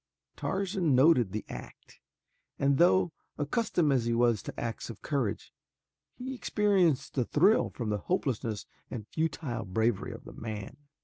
Tarzan noted the act, and though accustomed as he was to acts of courage, he experienced a thrill from the hopeless and futile bravery of the man.